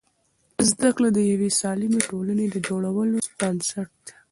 زده کړه د یوې سالمې ټولنې د جوړولو بنسټ دی.